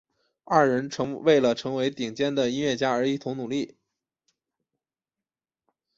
二人为了成为顶尖的音乐家而一同努力。